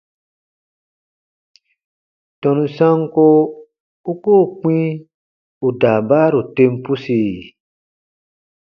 Tɔnu sanko u koo kpĩ ù daabaaru tem pusi?